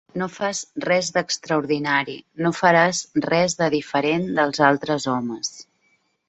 No fas res d'extraordinari, no faràs res de diferent dels altres homes.